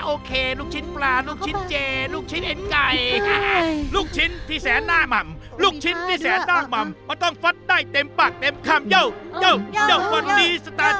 โอเครุ่งชิ้นปลารุ่งชิ้นเจรุ่งชิ้นเอ็นไก่